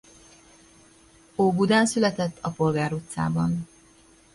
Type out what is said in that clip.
Óbudán született a Polgár utcában.